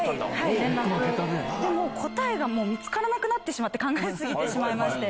で、もう答えが見つからなくなってしまって、考え過ぎてしまいまして。